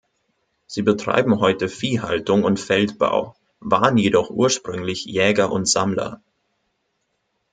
Sie betreiben heute Viehhaltung und Feldbau, waren jedoch ursprünglich Jäger und Sammler.